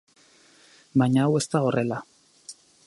Baina hau ez da horrela.